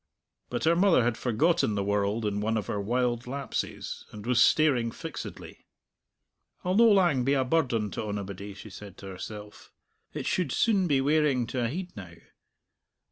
But her mother had forgotten the world in one of her wild lapses, and was staring fixedly. "I'll no lang be a burden to onybody," she said to herself. "It should sune be wearing to a heid now.